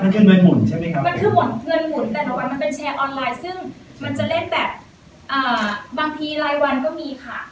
เงินหมุนใช่ไหมครับมันคือหมุนเกินหมุนแต่ละวันมันเป็นแชร์ออนไลน์ซึ่งมันจะเล่นแบบอ่าบางทีรายวันก็มีค่ะ